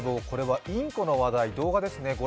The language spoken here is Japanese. これはインコの話題、動画ですね。